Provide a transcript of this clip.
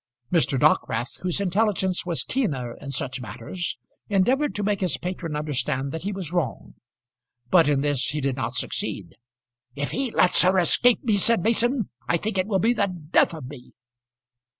Mr. Dockwrath, whose intelligence was keener in such matters, endeavoured to make his patron understand that he was wrong; but in this he did not succeed. "If he lets her escape me," said Mason, "I think it will be the death of me."